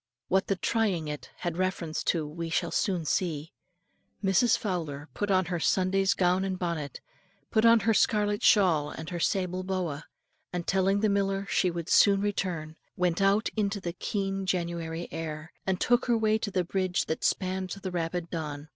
What the trying it had reference to we shall soon see. Mrs. Fowler put on her Sunday's gown and bonnet, put on her scarlet shawl and her sable boa, and telling the miller she would soon return, went out into the keen January air, and took her way to the bridge that spanned the rapid Don.